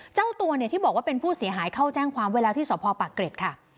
เจ้าตัวเนี่ยที่บอกว่าเป็นผู้เสียหายเข้าแจ้งความไว้แล้วที่สพปากเกร็ดค่ะ